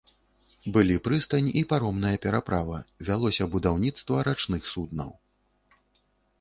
Былі прыстань і паромная пераправа, вялося будаўніцтва рачных суднаў.